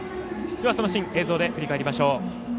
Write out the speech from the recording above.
そのシーン映像で振り返りましょう。